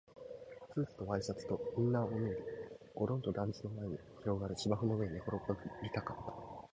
スーツとワイシャツとインナーも脱いで、ごろんと団地の前に広がる芝生の上に寝転がりたかった